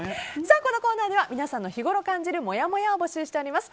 このコーナーでは皆さんの日ごろ感じるもやもやを募集しております。